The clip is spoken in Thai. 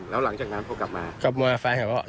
แล้วหลังจากนั้นพวกกลับมา